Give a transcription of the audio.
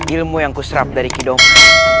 ilmu yang kuserap dari kidomas